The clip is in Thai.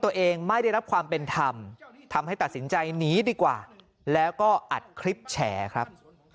ตัวเองไม่ได้รับความเป็นธรรมทำให้ตัดสินใจหนีดีกว่าแล้วก็อัดคลิปแฉครับ